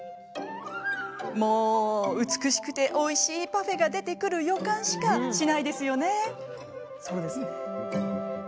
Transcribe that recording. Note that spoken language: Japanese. もう、美しくておいしいパフェが出てくる予感しかしないですよね。